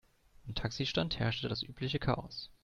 Am Taxistand herrschte das übliche Chaos.